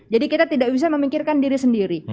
jadi kita tidak bisa memikirkan diri sendiri